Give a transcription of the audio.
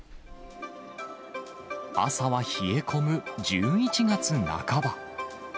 朝は冷え込む１１月半ば。